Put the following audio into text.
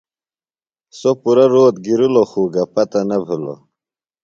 سوۡ پُرہ روت گِرِلوۡ خو گہ پتہ نہ بِھلوۡ۔